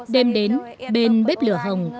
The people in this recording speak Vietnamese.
đêm đến bên bếp lửa hồng